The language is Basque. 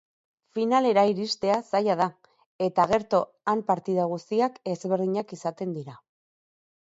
Finalera iristea zaila da, eta gerto han partida guztiak ezberdinak izaten dira.